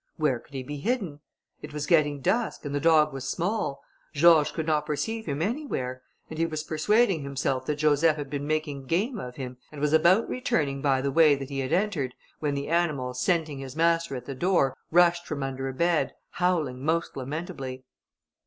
Where could he be hidden? It was getting dusk, and the dog was small, George could not perceive him anywhere, and he was persuading himself that Joseph had been making game of him, and was about returning by the way that he had entered, when the animal scenting his master at the door, rushed from under a bed, howling most lamentably.